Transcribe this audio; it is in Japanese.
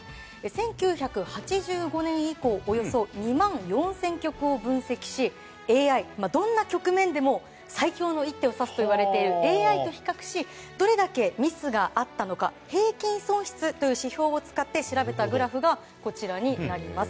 １９８５年以降およそ２万４０００局を分析しどんな局面でも最良の一手を指すといわれるＡＩと比較しどれだけミスがあったのか平均損失という指標を使って調べたグラフがこちらになります。